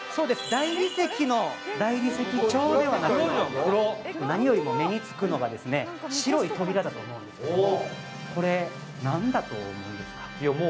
大理石の、大理石調ではなく何よりも目につくのが、白い扉だと思うんですけども。